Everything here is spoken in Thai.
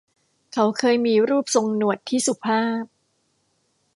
เขาเคยมีรูปทรงหนวดที่สุภาพ